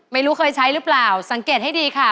ไม่รู้เคยใช้หรือเปล่าสังเกตให้ดีค่ะ